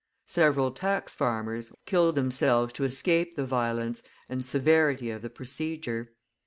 Several tax farmers (traitants) killed themselves to escape the violence and severity of the procedure.